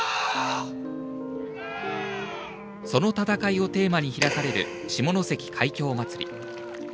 その戦いをテーマに開かれる「しものせき海峡まつり」。